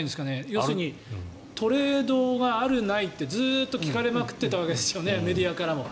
要するにトレードがあるないってずっと聞かれまくっていたわけですよね、メディアからも。